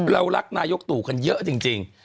เรารักนายกตู่กันเยอะจริง